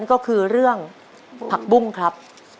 ก็คือเรื่องผักบุ้งครับ